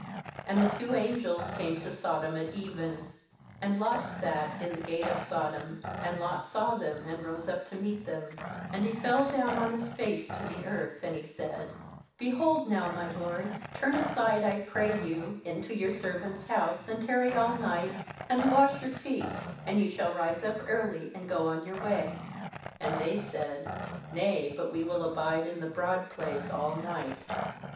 1 Q And the two angels came to Sodom at even ; and Lot sat in the gate of Sodom; and Lot saw them, and rose up to meet them; and he fell down on his face to the earth; 2and he said: 'Behold now, my lords, turn aside, I pray you, into your servant's house, and tarry all night, and wash your feet, and ye shall rise up early, and go on your way.' And they said: 'Nay; but we will abide in the broad place all night.'